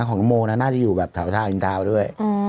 อาทารย์โมกู้นน่าจะอยู่แบบท่าเท่าอินเทิร์ทด้วย